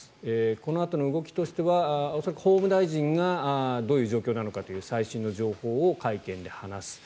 このあとの動きとしては恐らく法務大臣がどういう状況なのかという最新の情報を会見で話す。